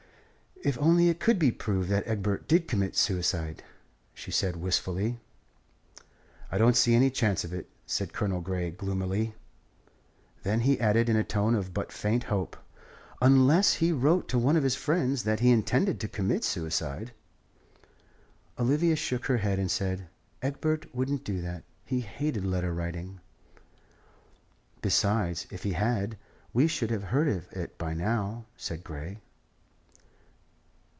"If only it could be proved that Egbert did commit suicide!" she said wistfully. "I don't see any chance of it," said Colonel Grey gloomily. Then he added in a tone of but faint hope: "Unless he wrote to one of his friends that he intended to commit suicide." Olivia shook her head and said: "Egbert wouldn't do that. He hated letter writing." "Besides, if he had, we should have heard of it by now," said Grey.